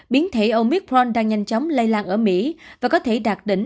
biến thể omicron đang nhanh chóng lây lan ở mỹ và có thể đạt đỉnh